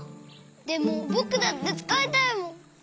でもぼくだってつかいたいもん。